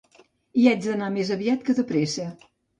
Hi vaig anar més aviat que depressa